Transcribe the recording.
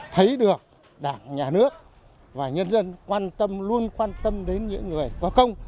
thấy được đảng nhà nước và nhân dân luôn quan tâm đến những người có công